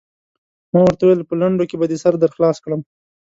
ما ورته وویل: په لنډو کې به دې سر در خلاص کړم.